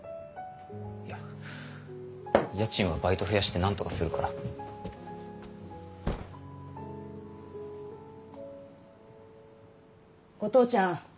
いや家賃はバイト増やして何とかするお父ちゃん